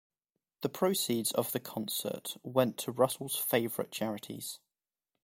The proceeds of the concert went to Russell's favourite charities.